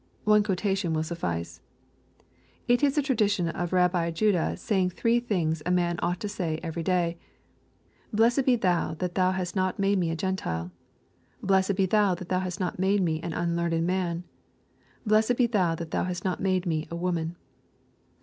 One quotation will suffice. *' It is a tradition of Rabbi Juda saying three things a man ought to say every day, —) Blessed be thou that thou hast not made me a Gentile. — ^Blessed / be thou that thou hast not made me an unlearned man. — ^Blessed be thou that thou hast not made me a yvoman."